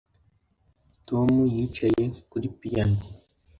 Tom yicaye kuri piyano